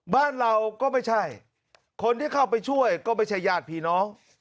บ้านเราก็ไม่ใช่คนที่เข้าไปช่วยก็ไม่ใช่ญาติพี่น้อง